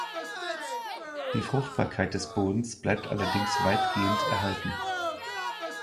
Die Fruchtbarkeit des Bodens bleibt allerdings weitgehend erhalten.